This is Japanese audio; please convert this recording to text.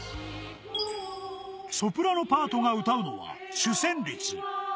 ソプラノパートが歌うのは主旋律。